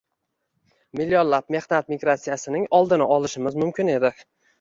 Millionlab mehnat migratsiyasining oldini olishimiz mumkin edi